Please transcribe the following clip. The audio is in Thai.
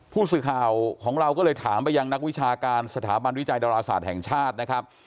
ผู้สื่อข่าวของเราก็เลยถามไปยังนักวิชาการสถาบันวิจัยดาราศาสตร์แห่งชาตินะครับ